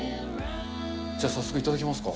じゃあ、早速頂きますか。